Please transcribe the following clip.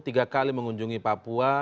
tiga kali mengunjungi papua